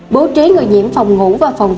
bố trí người nhiễm phòng ngủ và phòng về